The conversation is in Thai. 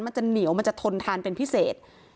มันจะเหนียวมันจะทนทานเป็นพิเศษ